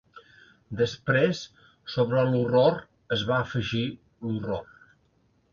Després, sobre l'horror, es va afegir l'horror.